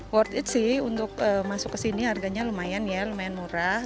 worti untuk masuk ke sini harganya lumayan ya lumayan murah